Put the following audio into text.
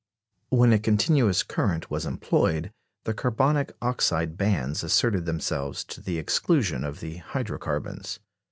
When a continuous current was employed, the carbonic oxide bands asserted themselves to the exclusion of the hydro carbons.